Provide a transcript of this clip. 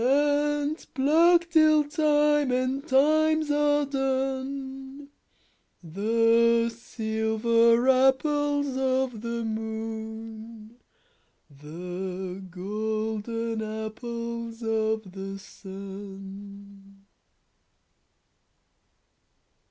And pluck till time and times are done. The silver apples of the moon, The golden apples of the sun.